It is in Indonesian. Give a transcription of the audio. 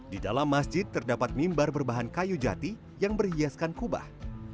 di dalam masjid terdapat mimbar berbahan kayu jati yang berhiaskan kubah